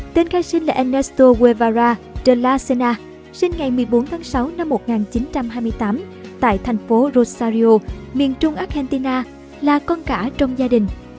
tên ca sinh là ernesto guevara de la sena sinh ngày một mươi bốn tháng sáu năm một nghìn chín trăm hai mươi tám tại thành phố rosario miền trung argentina là con cả trong gia đình